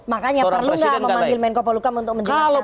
makanya perlu gak memanggil menko paluka untuk menjelaskan tadi